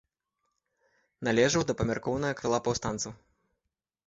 Належаў да памяркоўнага крыла паўстанцаў.